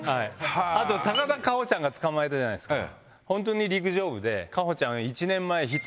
あと高田夏帆ちゃんが捕まえたじゃないですか。